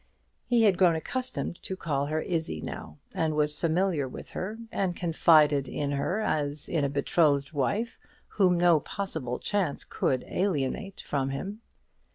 He had grown accustomed to call her Izzie now, and was familiar with her, and confided in her, as in a betrothed wife, whom no possible chance could alienate from him.